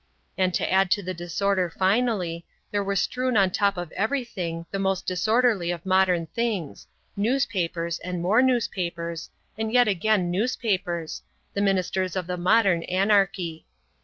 And to add to the disorder finally, there were strewn on top of everything, the most disorderly of modern things, newspapers, and more newspapers, and yet again newspapers, the ministers of the modern anarchy.